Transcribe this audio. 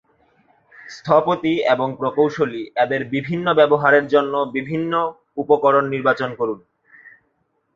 স্থপতি এবং প্রকৌশলী এদের বিভিন্ন ব্যবহারের জন্য বিভিন্ন উপকরণ নির্বাচন করুন।